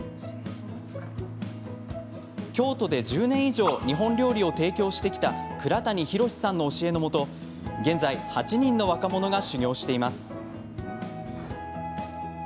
京都で１０年以上日本料理を提供してきた鞍谷浩史さんの教えのもと現在８人の若者が修業しています。